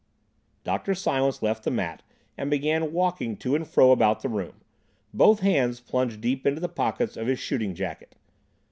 Dr. Silence left the mat and began walking to and fro about the room, both hands plunged deep into the pockets of his shooting jacket.